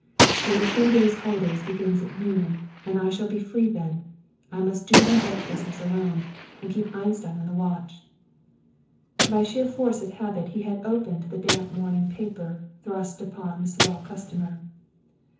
"For the three days' holiday begins at noon, and I shall be free then. I must do my bank business alone, and keep Einstein on the watch." By sheer force of habit, he had opened the damp morning paper thrust upon the swell customer.